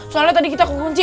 soalnya tadi kita kekunci